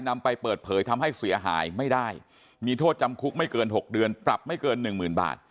มีโทษจำคุกไม่เกิน๖เดือนปรับไม่เกิน๑๐๐๐๐บาท